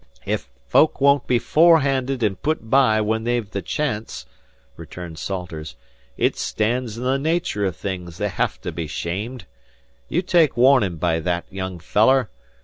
"Ef folk won't be fore handed an' put by when they've the chance," returned Salters, "it stands in the nature o' things they hev to be 'shamed. You take warnin' by that, young feller.